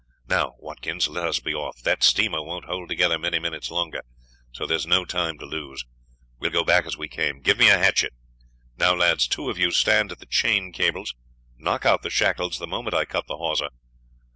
Now, Watkins, let us be off; that steamer won't hold together many minutes longer, so there's no time to lose. We will go back as we came. Give me a hatchet. Now, lads, two of you stand at the chain cables; knock out the shackles the moment I cut the hawser.